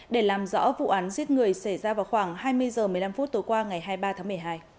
để làm rõ vụ án giết người xảy ra vào khoảng hai mươi h một mươi năm tối qua ngày hai mươi ba tháng một mươi hai